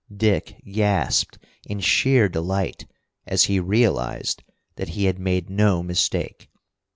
Dick gasped in sheer delight as he realized that he had made no mistake.